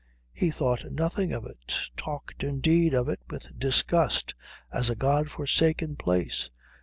He thought nothing of it; talked, indeed, of it with disgust as a God forsaken place.